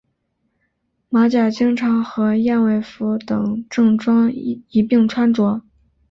马甲经常和燕尾服等正装一并穿着。